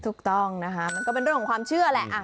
ถูกต้องนะคะมันก็เป็นเรื่องของความเชื่อแหละ